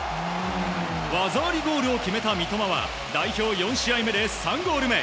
技ありゴールを決めた三笘は代表４試合目で３ゴール目。